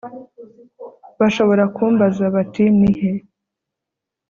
bashobora kumbaza bati nihe